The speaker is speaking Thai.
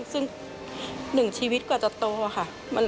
ซึ่ง๑ชีวิตกว่าจะโตค่ะ